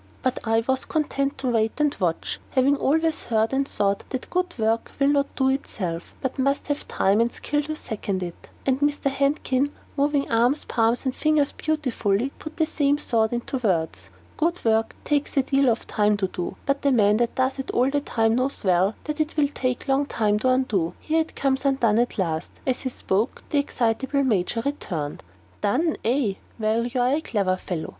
But I was content to wait and watch, having always heard and thought that good work will not do itself, but must have time and skill to second it. And Mr. Handkin, moving arms, palms, and fingers beautifully, put the same thought into words. "Good work takes a deal of time to do; but the man that does it all the time knows well that it will take long to undo. Here it comes undone at last!" As he spoke, the excitable Major returned. "Done it, eh? Well, you are a clever fellow.